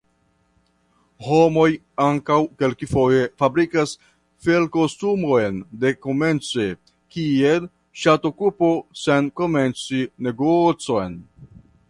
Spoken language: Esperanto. Homoj ankaŭ kelkfoje fabrikas felkostumojn dekomence kiel ŝatokupo sen komenci negocon.